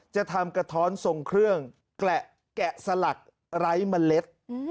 จะทำกระท้อนทรงเครื่องแกะสลักไร้เมล็ด